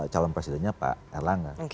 calon presidennya pak erlanger